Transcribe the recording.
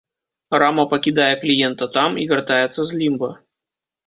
Рама пакідае кліента там і вяртаецца з лімба.